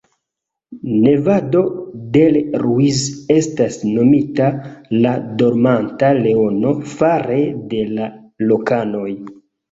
Nevado del Ruiz estas nomita la "Dormanta Leono" fare de la lokanoj.